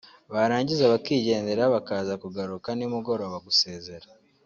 barangiza bakigendera bakaza kugaruka nimugoroba gusezera